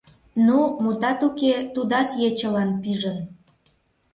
Ну, мутат уке, тудат ечылан пижын.